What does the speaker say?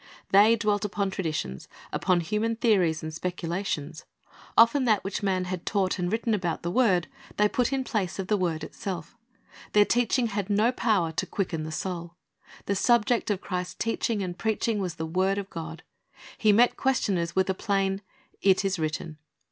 They dwelt upon traditions, upon human theories and specula tions. Often that which man had taught and written about 1 I Peter i : 2,? 2john 6 : 63 ; 5 : 24 "The Sozver Went FortJi to Sozv'' 39 the word, they put in place of the word itself. Their teaching had no power to quicken the soul. The subject of Christ's teaching and preaching was the word of God. He met questioners with a plain, "It is written."